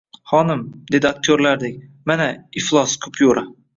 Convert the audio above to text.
Xonim, dedi aktyorlardek, mana, iflos kupyura